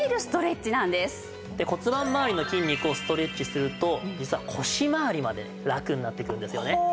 続いて骨盤まわりの筋肉をストレッチすると実は腰まわりまでラクになってくるんですよね。